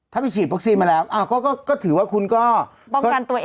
ถ้าไปฉีดวัคซีนมาแล้วก็ถือว่าคุณก็ป้องกันตัวเอง